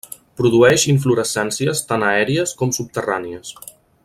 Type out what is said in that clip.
Produeix inflorescències tant aèries com subterrànies.